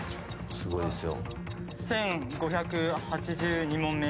・すごいですよ。